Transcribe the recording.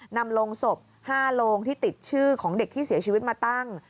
นำโรงศพ๕โรงที่ติดชื่อของเด็กที่เสียชีวิตมาตั้ง